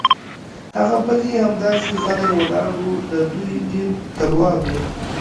هغه بل یې همداسې غلی ولاړ و، د دوی ډېر تلوار و.